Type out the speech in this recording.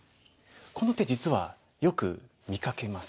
この手実はよく見かけます。